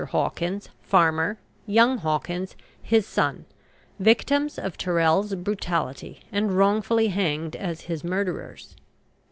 HAWKINS, farmer; YOUNG HAWKINS, his son, Victims of Tyrrel's brutality, and wrongfully hanged as his murderers.